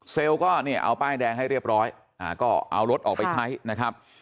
ก็เนี่ยเอาป้ายแดงให้เรียบร้อยก็เอารถออกไปใช้นะครับ